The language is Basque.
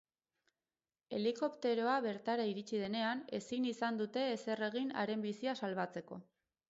Helikopteroa bertara iritsi denean, ezin izan dute ezer egin haren bizia salbatzeko.